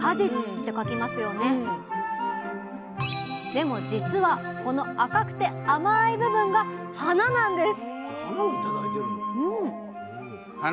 でもじつはこの赤くて甘い部分が花なんです！